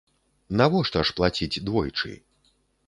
Навошта ж плаціць двойчы?